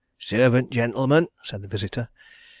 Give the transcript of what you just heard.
"Servant, gentlemen," said the visitor.